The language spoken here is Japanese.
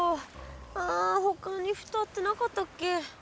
あほかに蓋ってなかったっけ？